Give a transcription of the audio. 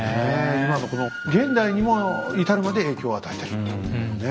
今のこの現代にも至るまで影響を与えてるというね。